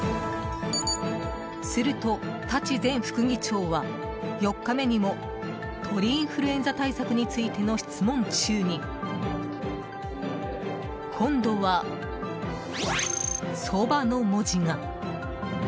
すると、舘前副議長は４日目にも鳥インフルエンザ対策についての質問中に今度は「そば」の文字が。